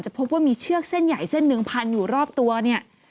พบว่ามีเชือกเส้นใหญ่เส้นหนึ่งพันอยู่รอบตัวเนี่ย